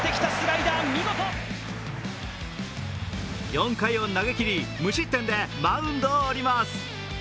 ４回を投げ切り無失点でマウンドを降ります。